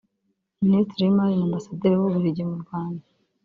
Ministiri w’imari na Ambasaderi w’u Bubiligi mu Rwanda